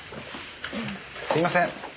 すいません。